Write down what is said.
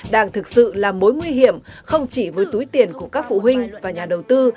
đang thực sự là mối nguy hiểm không chỉ với túi tiền của các phụ huynh và nhà đầu tư